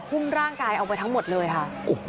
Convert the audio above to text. ุ่มร่างกายเอาไปทั้งหมดเลยค่ะ